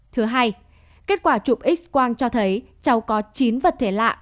thứ hai kết quả chụp x quang cho thấy cháu có chín vật thể lạ